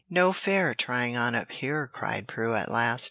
"No fair trying on up here," cried Prue, at last.